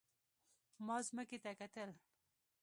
ما ځمکې ته کتل.